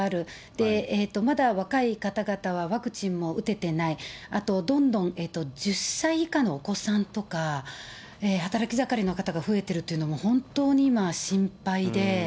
で、まだ若い方々はワクチンも打ててない、あと、どんどん１０歳以下のお子さんとか、働き盛りの方が増えてるというのも本当に今、心配で。